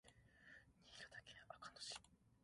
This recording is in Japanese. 新潟県阿賀野市